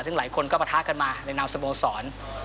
ซึ่งหลายคนก็มาทักกันมาในนามสโบศร